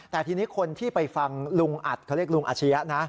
แต่ทีนี้คนที่ไปฟังลุงอัดเขาเรียกลุงอาชียะนะ